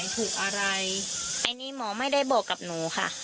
ต้องรอผลพิสูจน์จากแพทย์ก่อนนะคะ